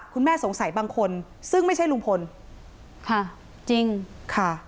คุณแม่สงสัยบางคนซึ่งไม่ใช่ลุงพลค่ะจริงค่ะ